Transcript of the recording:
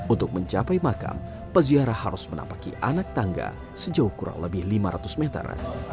untuk mencapai makam peziarah harus menapaki anak tangga sejauh kurang lebih lima ratus meter